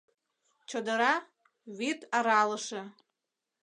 ЧОДЫРА — ВӰД АРАЛЫШЕ